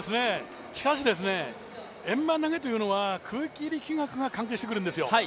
しかし、円盤投というのは空気力学が関係してくるんですよ